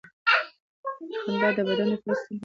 خندا د بدن دفاعي سیستم پیاوړی کوي.